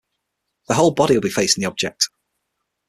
Their whole body will be facing the object.